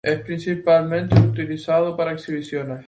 Es principalmente utilizado para exhibiciones.